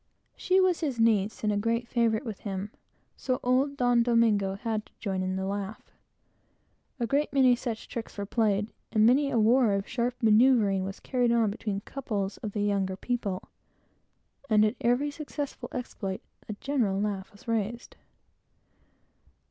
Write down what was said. She was his niece, and a great favorite with him, so old Don Domingo had to join in the laugh. A great many such tricks were played, and many a war of sharp manoeuvering was carried on between couples of the younger people, and at every successful exploit a general laugh was raised.